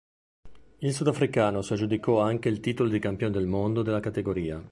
Il sudafricano si aggiudicò anche il titolo di Campione del Mondo della categoria.